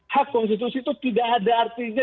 hak konstitusi itu tidak ada artinya